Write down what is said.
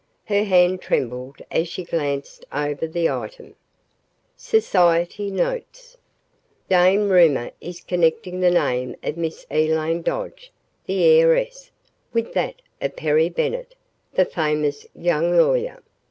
Her hand trembled as she glanced over the item: SOCIETY NOTES Dame Rumor is connecting the name of Miss Elaine Dodge, the heiress, with that of Perry Bennett, the famous young lawyer.